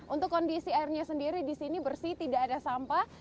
untuk kondisi airnya sendiri di sini bersih tidak ada sampah